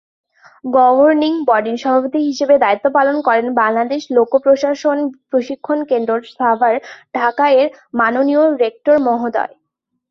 Governing বডির সভাপতি হিসেবে দায়িত্ব পালন করেন বাংলাদেশ লোক-প্রশাসন প্রশিক্ষণ কেন্দ্র, সাভার, ঢাকা-এর মাননীয় রেক্টর মহোদয়।